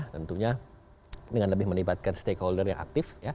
tentunya dengan lebih melibatkan stakeholder yang aktif